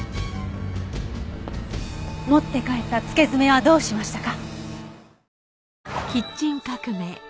持って帰った付け爪はどうしましたか？